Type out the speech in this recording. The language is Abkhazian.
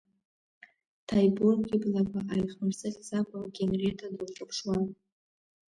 Ҭаибург иблақәа ааихмырсыӷьӡакәа Генриетта дылҿаԥшуан.